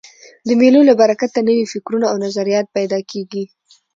د مېلو له برکته نوي فکرونه او نظریات پیدا کېږي.